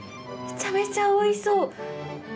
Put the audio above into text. めちゃめちゃおいしそう。